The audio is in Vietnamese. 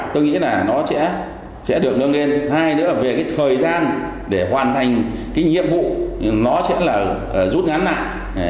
tôi nghĩ là nó sẽ được nâng lên hai nữa là về thời gian để hoàn thành nhiệm vụ nó sẽ rút ngắn lại